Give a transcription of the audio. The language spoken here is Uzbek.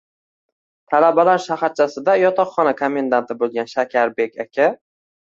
Talabalar shaharchasida yotoqxona komendanti bo`lgan Shakarbek aka